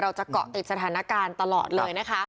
จะเกาะติดสถานการณ์ตลอดเลยนะคะ